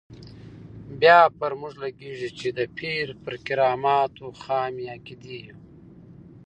بیا پر موږ لګېږي چې د پیر پر کراماتو خامې عقیدې یو.